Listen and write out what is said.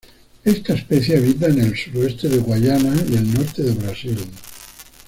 Esta especie habita en el suroeste de Guyana y el norte de Brasil.